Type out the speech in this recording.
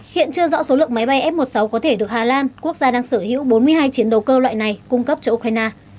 hiện chưa rõ số lượng máy bay f một mươi sáu có thể được hà lan quốc gia đang sở hữu bốn mươi hai chiến đấu cơ loại này cung cấp cho ukraine